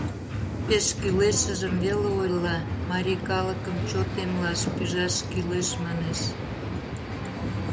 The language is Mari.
Пеш кӱлешыжым веле ойла: марий калыкым чот эмлаш пижаш кӱлеш, манеш.